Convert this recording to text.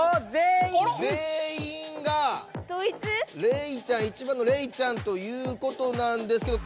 ぜんいんがレイちゃん１番のレイちゃんということなんですけど。